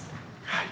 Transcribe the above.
はい。